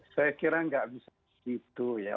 saya kira nggak bisa gitu ya